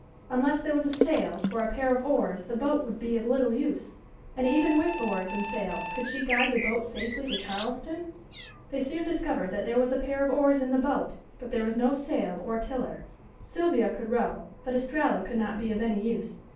Unless there was a sail or a pair of oars the boat would be of little use, and even with oars and sail could she guide the boat safely to Charleston? They soon discovered that there was a pair of oars in the boat, but there was no sail or tiller. Sylvia could row, but Estralla could not be of any use.